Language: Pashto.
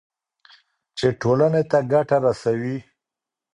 چې ټولنې ته ګټه رسوي.